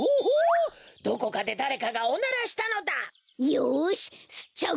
よしすっちゃう